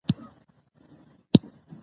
ډيپلومات نړېوالو قوانينو ته درناوی کوي.